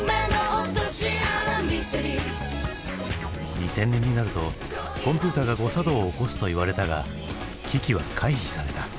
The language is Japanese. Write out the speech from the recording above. ２０００年になるとコンピューターが誤作動を起こすといわれたが危機は回避された。